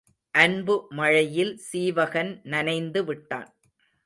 அன்பு மழையில் சீவகன் நனைந்து விட்டான்.